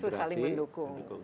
justru saling mendukung